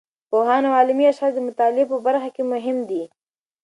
پوهان او علمي اشخاص د مطالعې په برخه کې مهم دي.